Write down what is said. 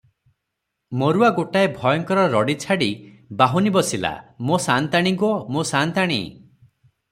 ମରୁଆ ଗୋଟାଏ ଭୟଙ୍କର ରଡ଼ି ଛାଡ଼ି ବାହୁନି ବସିଲା --"ମୋ ସାଆନ୍ତଣି ଗୋ; ମୋ ସାଆନ୍ତାଣି!